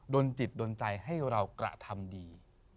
จิตโดนใจให้เรากระทำดี